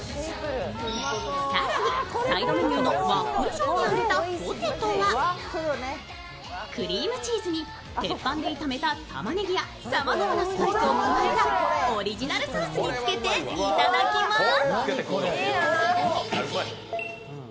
更にサイドメニューのワッフル状に揚げたポテトはクリームチーズに鉄板で炒めたたまねぎやさまざまなスパイスを加えたオリジナルソースにつけていただきます。